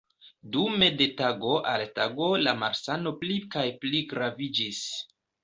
Dume de tago al tago la malsano pli kaj pli graviĝis.